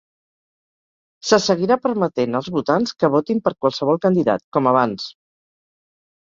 Se seguirà permetent als votants que votin per qualsevol candidat, com abans.